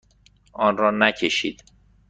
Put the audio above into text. آن را نکشید.